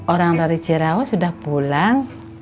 orang dari jerawa sudah pulang